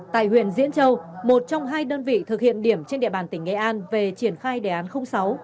tại huyện diễn châu một trong hai đơn vị thực hiện điểm trên địa bàn tỉnh nghệ an về triển khai đề án sáu